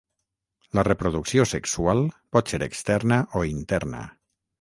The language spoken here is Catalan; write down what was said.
La reproducció sexual pot ser externa o interna.